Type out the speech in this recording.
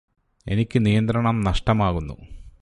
എനിക്ക് നിയന്ത്രണം നഷ്ടമാകുന്നു